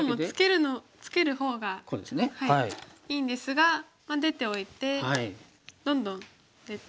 いいんですが出ておいてどんどん出て。